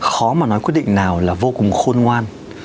khó mà nói quyết định nào là vô cùng khôn ngoan